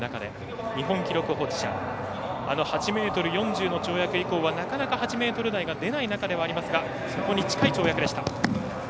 日本記録保持者８ｍ４０の跳躍以降はなかなか８ｍ台が出ない中ですがそこに近い跳躍でした。